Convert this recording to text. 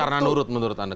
karena nurut menurut anda